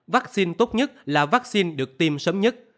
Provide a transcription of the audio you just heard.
vaccine tốt nhất là vaccine được tiêm sớm nhất